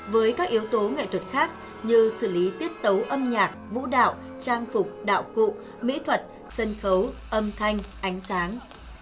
với các yếu tố nghệ thuật khác như xử lý tiết tấu âm nhạc vũ đạo trang phục đạo cụ mỹ thuật sân khấu âm thanh ánh sáng